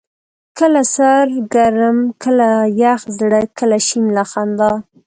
کله سر ګرم ، کله يخ زړه، کله شين له خندا